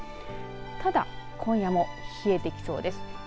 ただ今夜も冷えてきそうです。